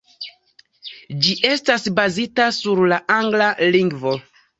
Ĝi estas bazita sur la angla lingvo.